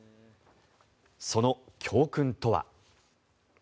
その教訓とは。